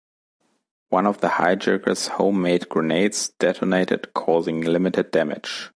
One of the hijackers' homemade grenades detonated, causing limited damage.